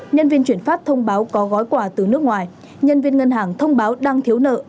nhân viên chuyển phát thông báo có gói quà từ nước ngoài nhân viên ngân hàng thông báo đang thiếu nợ